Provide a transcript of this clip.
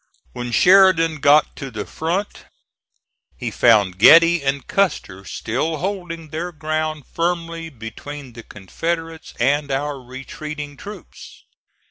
When Sheridan got to the front he found Getty and Custer still holding their ground firmly between the Confederates and our retreating troops.